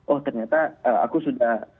oh ternyata aku sudah